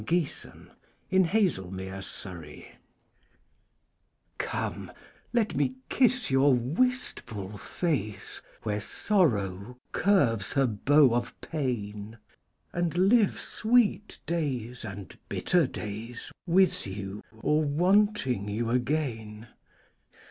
GRAVIS DULCIS IMMUTABILIS Come, let me kiss your wistful face Where Sorrow curves her bow of pain, And live sweet days and bitter days With you, or wanting you again.